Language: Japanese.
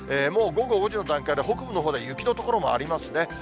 もう午後５時の段階で、北部のほうでは雪の所もありますね。